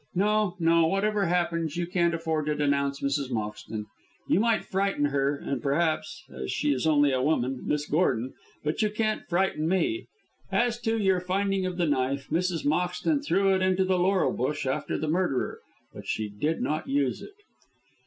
No, no, whatever happens you can't afford to denounce Mrs. Moxton. You might frighten her, and, perhaps as she is only a woman Miss Gordon, but you can't frighten me. As to your finding of the knife, Mrs. Moxton threw it into the laurel bush after the murder, but she did not use it."